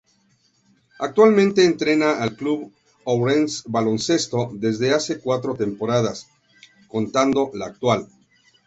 Actualmente entrena al Club Ourense Baloncesto, desde hace cuatro temporadas, contando la actual.